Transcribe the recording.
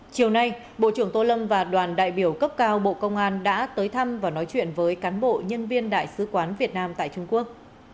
chiều nay bộ trưởng tô lâm và đoàn đại biểu cấp cao bộ công an đã tới thăm và nói chuyện với cán bộ nhân viên đại sứ quán việt nam tại trung quốc